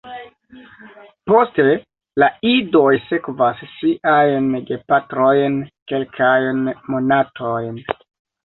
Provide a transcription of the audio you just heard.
Poste la idoj sekvas siajn gepatrojn kelkajn monatojn.